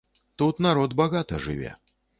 Тут народ багата жыве.